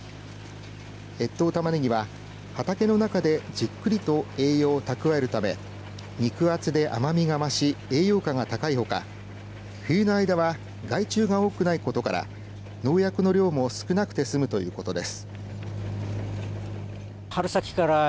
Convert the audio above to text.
越冬たまねぎは畑の中でじっくりと栄養を蓄えるため肉厚で甘みが増し栄養価が高いほか冬の間は害虫が多くないことから農薬の量も少なくて済むということです。